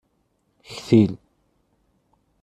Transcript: Ktil.